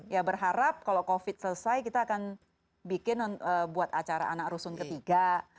ya berharap kalau covid selesai kita akan bikin buat acara anak rusun ketiga